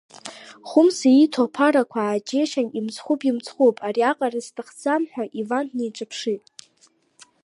Хәымса ииҭо аԥарақәа, ааџьеишьан, имцхәуп, имцхәуп, ари аҟара сҭахӡам ҳәа Иван днеиҿаԥшит.